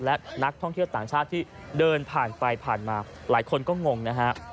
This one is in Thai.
และนักท่องเที่ยวต่างชาติที่เดินผ่านไปผ่านมาหลายคนก็งงนะฮะ